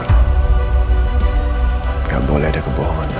nggak boleh ada kebohongan lagi